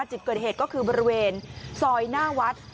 จุดเกิดเหตุก็คือบริเวณซอยหน้าวัด